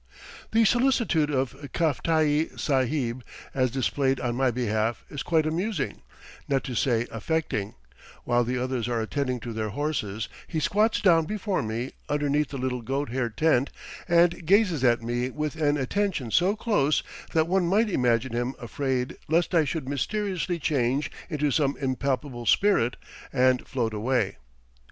The solicitude of Kiftaii Sahib as displayed on my behalf is quite amusing, not to say affecting; while the others are attending to their horses he squats down before me underneath the little goat hair tent and gazes at me with an attention so close that one might imagine him afraid lest I should mysteriously change into some impalpable spirit and float away.